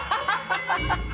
ハハハ